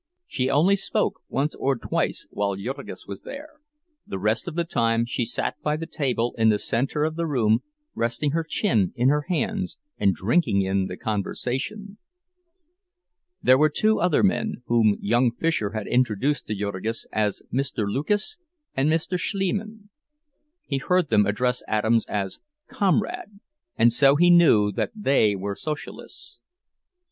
She only spoke once or twice while Jurgis was there—the rest of the time she sat by the table in the center of the room, resting her chin in her hands and drinking in the conversation. There were two other men, whom young Fisher had introduced to Jurgis as Mr. Lucas and Mr. Schliemann; he heard them address Adams as "Comrade," and so he knew that they were Socialists.